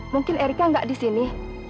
mungkin erika gak disini